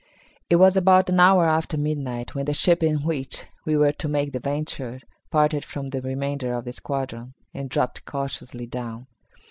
It was about an hour after midnight when the ship in which we were to make the venture parted from the remainder of the squadron and dropped cautiously down.